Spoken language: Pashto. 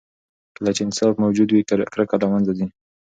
کله چې انصاف موجود وي، کرکه له منځه ځي.